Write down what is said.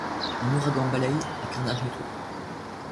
Un ouragan balaye, un carnage nettoie.